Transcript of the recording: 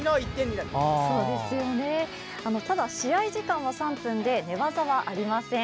試合時間は３分で寝技はありません。